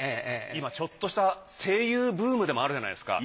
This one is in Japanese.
今ちょっとした声優ブームでもあるじゃないですか。